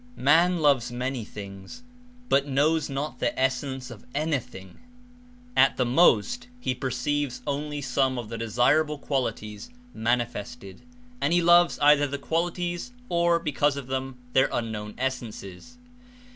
Man loves many things, but knows not the essence of anything. At the most, he perceives only some of the desirable qualities manifested and he loves either the qualities or, because of them, their unknown essences.